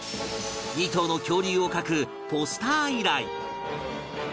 ２頭の恐竜を描くポスター依頼